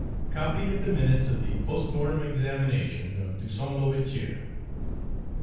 Copy of the Minutes of the Post mortem Examination of Toussaint L'Ouverture.